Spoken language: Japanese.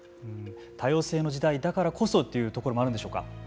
多様性の時代だからこそというところもあるんでしょうか。